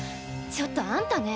ちょっとあんたね。